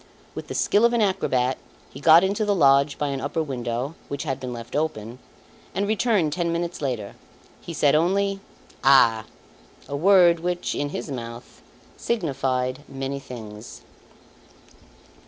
With the skill of an acrobat, he got into the lodge by an upper window which had been left open, and returned ten minutes later. He said only, "Ah!" a word which, in his mouth, signified many things.